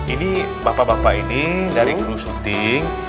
ini bapak bapak ini dari crew shooting